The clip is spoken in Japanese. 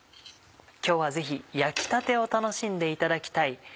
今日はぜひ焼きたてを楽しんでいただきたい